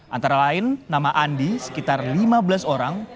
antara lain nama andi sekitar lima belas orang